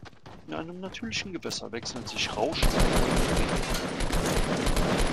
In einem natürlichen Gewässer wechseln sich Rauschen und Kolke regelhaft ab.